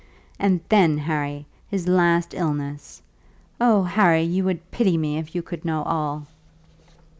And then, Harry, his last illness! Oh, Harry, you would pity me if you could know all!"